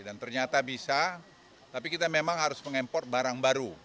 dan ternyata bisa tapi kita memang harus mengimpor barang baru